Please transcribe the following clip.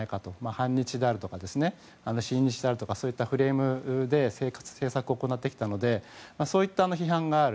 反日であるとか親日であるとかそういうフレームで政策を行ってきたのでそういった批判がある。